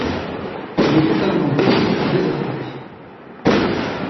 Il est totalement rocheux et désertique.